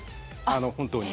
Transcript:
本当に。